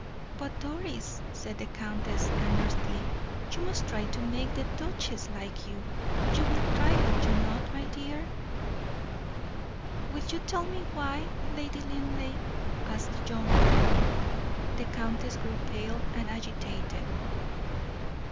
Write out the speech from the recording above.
"But, Doris," said the countess, earnestly, "you must try to make the duchess like you. You will try, will you not, my dear?" "Will you tell me why, Lady Linleigh?" asked the young girl. The countess grew pale and agitated.